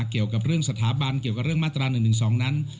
เกี่ยวกับเรื่องสถาบันเกี่ยวกับเรื่องมาตรา๑๑๒นั้น